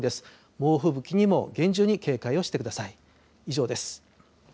猛吹雪にも厳重に警戒をしてください。